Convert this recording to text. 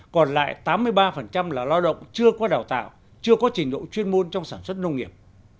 còn lại tám mươi ba là lao động chưa qua đào tạo chưa có trình độ chuyên môn trong sản xuất nông nghiệp